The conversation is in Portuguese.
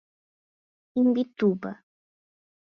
Imbituba